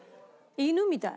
犬みたい。